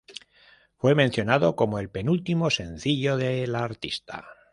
Fue mencionado como el penúltimo sencillo de la artista.